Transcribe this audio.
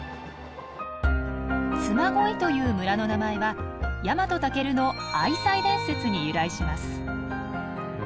嬬恋という村の名前は日本武尊の愛妻伝説に由来します。